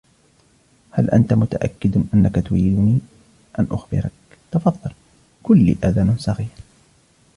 " هل أنت متأكد أنك تريدني أن أخبرك ؟"" تفضل ، كلي آذان صاغية! "